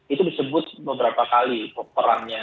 itu disebut beberapa kali perannya